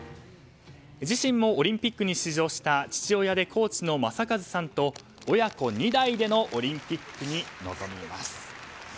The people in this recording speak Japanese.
自身もオリンピックに出場した父親でコーチの正和さんと、親子２代でのオリンピックに臨みます。